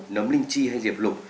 nấm linh chi hay diệp lục